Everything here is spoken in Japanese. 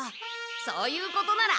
そういうことなら。